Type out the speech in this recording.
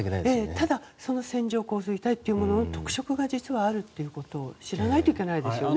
ただ線状降水帯の特色というものがあるということを知らないといけないですよね。